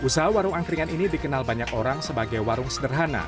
usaha warung angkringan ini dikenal banyak orang sebagai warung sederhana